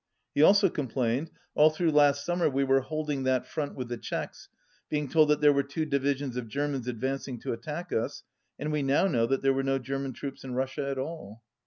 He also complained: "All through last sum mer we were holding that front with the Czechs, being told that there were two divisions of Ger mans advancing to attack us, and we now know that there were no German troops in Russia at all."